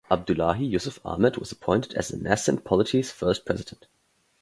Abdullahi Yusuf Ahmed was appointed as the nascent polity's first President.